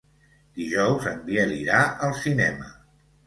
Dijous en Biel irà al cinema.